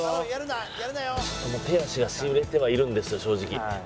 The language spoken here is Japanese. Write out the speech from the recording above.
手足が痺れてはいるんですよ正直。